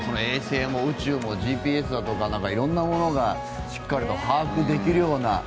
衛星も宇宙もＧＰＳだとか色んなものがしっかりと把握できるような。